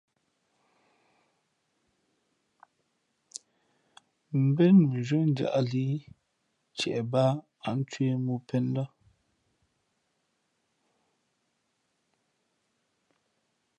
Mbén mʉnzhwē njāʼlī ntie bāā ǎ ncwēh mōō pēn lά.